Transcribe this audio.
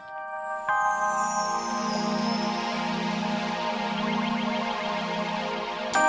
lora jangan lancang kamu ya